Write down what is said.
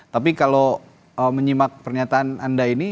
tapi kalau menyimak pernyataan anda ini